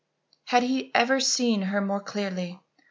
Had he ever seen her more clearly?